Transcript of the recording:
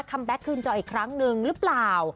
คัมแบล็คขึ้นจออีกครั้งนึงหรือเปล่า